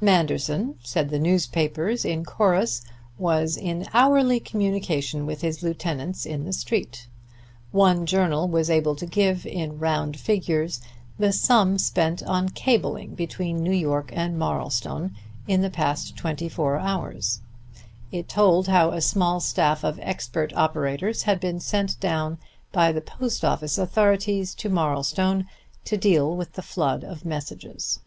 Manderson, said the newspapers in chorus, was in hourly communication with his lieutenants in the Street. One journal was able to give, in round figures, the sum spent on cabling between New York and Marlstone in the past twenty four hours; it told how a small staff of expert operators had been sent down by the Post Office authorities to Marlstone to deal with the flood of messages.